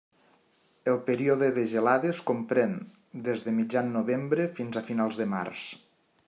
El període de gelades comprèn des de mitjan novembre fins a finals de març.